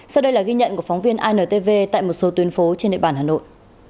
sau đây là ghi nhận của phóng viên intv tại một số tuyến phố trên địa bàn hà nội